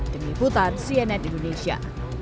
dengan hibutan cnn indonesia